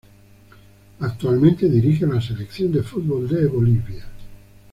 Actualmente dirige a la Selección de fútbol de Bolivia.